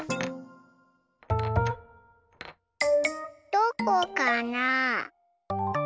どこかな？